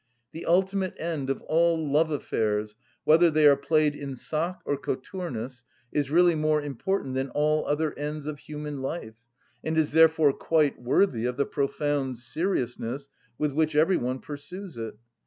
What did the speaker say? The ultimate end of all love affairs, whether they are played in sock or cothurnus, is really more important than all other ends of human life, and is therefore quite worthy of the profound seriousness with which every one pursues it.